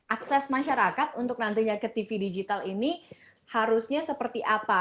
akses masyarakat untuk nantinya ke tv digital ini harusnya seperti apa